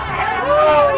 tuhan tuhan tuhan